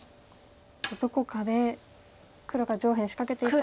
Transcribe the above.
どこかで黒が上辺仕掛けていったら。